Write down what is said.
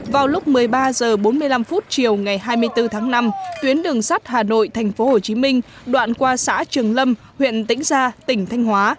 vào lúc một mươi ba h bốn mươi năm chiều ngày hai mươi bốn tháng năm tuyến đường sắt hà nội tp hcm đoạn qua xã trường lâm huyện tĩnh gia tỉnh thanh hóa